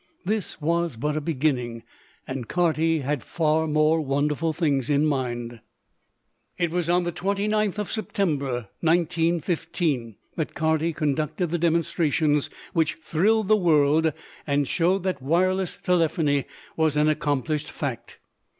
This was but a beginning, and Carty had far more wonderful things in mind. It was on the 29th of September, 1915, that Carty conducted the demonstrations which thrilled the world and showed that wireless telephony was an accomplished fact.